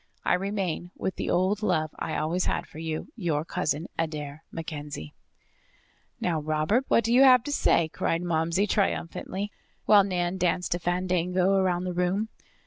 I remain, with the old love I always had for you, Your cousin, Adair MacKenzie." "Now, Robert, what have you to say?" cried Momsey triumphantly, while Nan danced a fandango about the room.